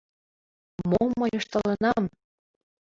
Мом мый ыштылынам?